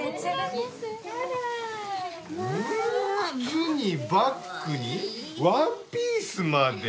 靴にバッグにワンピースまで。